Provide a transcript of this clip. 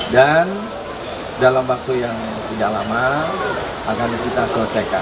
dan dalam waktu yang tidak lama akan kita selesaikan